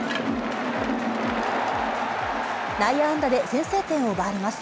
内野安打で先制点を奪われます。